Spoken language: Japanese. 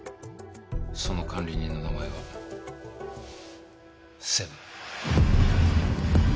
その管理人の名前はセブン。